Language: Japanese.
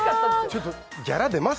ちょっと、ギャラ出ます？